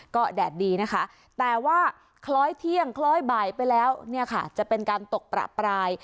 ก็แดดดีนะคะแต่ว่าคล้อยเที่ยงคล้อยบ่ายไปแล้วเนี่ยค่ะจะเป็นการตกประปราย